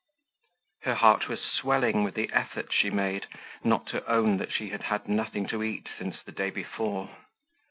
Her heart was swelling with the effort she made not to own that she had had nothing to eat since the day before.